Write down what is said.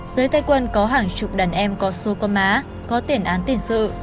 dưới tay quân có hàng chục đàn em có xô con má có tiền án tiền sự